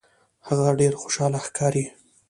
هغه ډیر خوشحاله ښکاري.